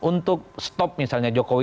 untuk stop misalnya jokowi